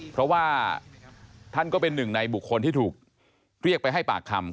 เพราะว่าท่านก็เป็นหนึ่งในบุคคลที่ถูกเรียกไปให้ปากคำ